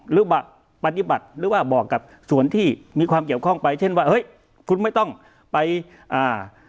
หรือว่ากับส่วนที่มีความเกี่ยวข้องไปเช่นว่าเฮ้ยคุณไม่ต้องไปอ่า